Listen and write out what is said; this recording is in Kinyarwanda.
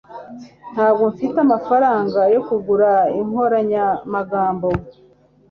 Ntabwo mfite amafaranga yo kugura inkoranyamagambo.